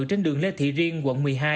trên đường lê thị riêng quận một mươi hai